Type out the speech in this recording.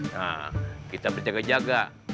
nah kita berjaga jaga